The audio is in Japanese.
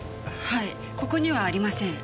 はいここにはありません。